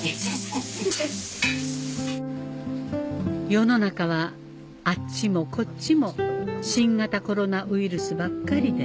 世の中はあっちもこっちも新型コロナウイルスばっかりで